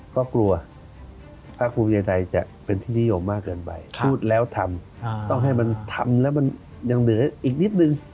ก็กลัวภาคภูมิใจไทยจะเป็นที่นิยมมากเกินไปพูดแล้วทำต้องให้มันทำแล้วมันยังเหลืออีกนิดนึง